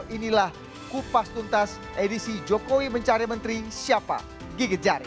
inilah kupas tuntas edisi jokowi mencari menteri siapa gigit jari